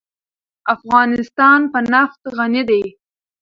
افغانستان په نفت غني دی.